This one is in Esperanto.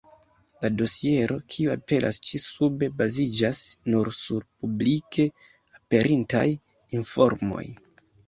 La dosiero, kiu aperas ĉi-sube, baziĝas nur sur publike aperintaj informoj.